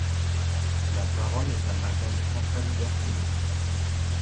La parole est à Madame Chantal Berthelot.